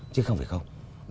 chứ không phải không